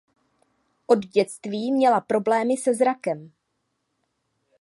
Od dětství měla problémy se zrakem.